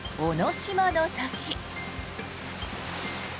島の滝。